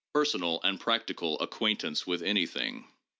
Personal and practical acquaintance with anything."